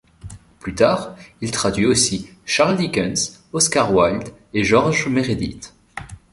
Plus tard, il traduit aussi Charles Dickens, Oscar Wilde et George Meredith.